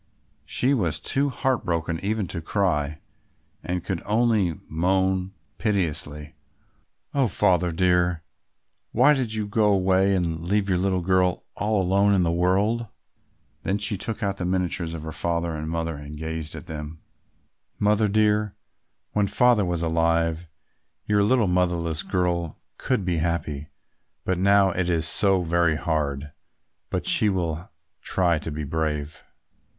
She was too heartbroken even to cry and could only moan piteously, "Oh, Father dear, why did you go away and leave your little girl all alone in the world?" She then took out the miniatures of her father and mother and gazed at them. "Mother dear, when Father was alive, your little motherless girl could be happy; but now it is so very hard; but she will try to be brave."